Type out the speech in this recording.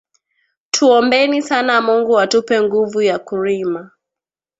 Tuombeni sana mungu atupe nguvu ya kurima